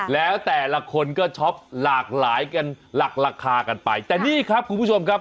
แล้วแต่ละคนก็ช็อปหลากหลายกันหลักราคากันไปแต่นี่ครับคุณผู้ชมครับ